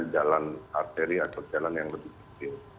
jalan arteri atau jalan yang lebih kecil